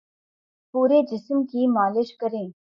پورے جسم کی مالش کریں